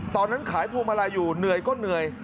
ตอนนั้นขายพวงมาลัยอยู่เหนื่อยก็เหนื่อย